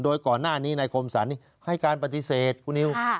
โดยก่อนหน้านี้นายคมสรรให้การปฏิเสธคุณนิว